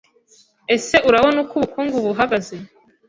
Ese urabona uko ubukungu buhagaze